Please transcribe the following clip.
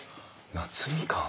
夏みかん。